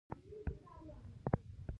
یعنې عملاً مو هغه مهم نه دی ګڼلی.